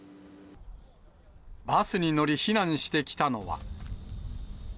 バスに乗り、避難してきたのは。